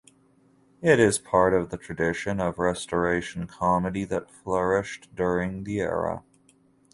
It is part of the tradition of Restoration Comedy that flourished during the era.